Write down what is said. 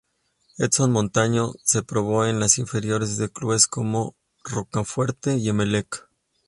Edson Montaño se probó en las inferiores de clubes como Rocafuerte y Emelec.